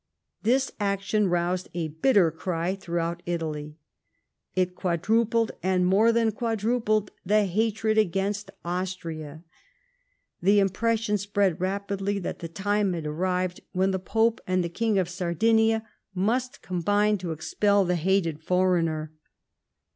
This action roused a bitter cry throughout Italy. It quad rupled, and more than quadrupled, the hatred against Austria. The impression spread rapidly that the time had arrived when the Pope and the King of Sardinia must combine to expel the hated foreigner.